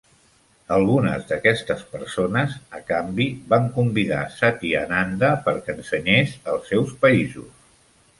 Algunes d'aquestes persones, a canvi, van convidar Satyananda perquè ensenyés als seus països.